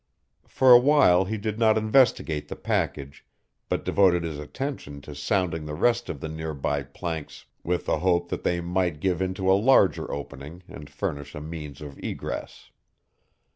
For a while he did not investigate the package, but devoted his attention to sounding the rest of the near by planks with the hope that they might give into a larger opening and furnish a means of egress.